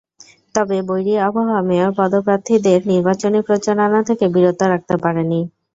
তবে বৈরী আবহাওয়া মেয়র পদপ্রার্থীদের নির্বাচনী প্রচারণা থেকে বিরত রাখতে পারেনি।